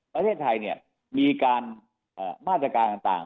ประเทศไทยมีการมาตรการต่าง